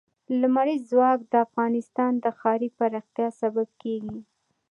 لمریز ځواک د افغانستان د ښاري پراختیا سبب کېږي.